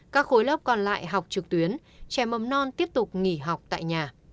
các khối lớp còn lại học trực tuyến trẻ mầm non tiếp tục nghỉ học tại nhà